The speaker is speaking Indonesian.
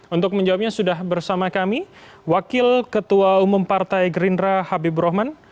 untuk menjawabnya sudah bersama kami wakil ketua umum partai gerindra habibur rahman